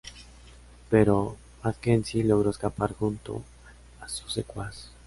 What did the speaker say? Pero Mackenzie logró escapar junto a su secuaz.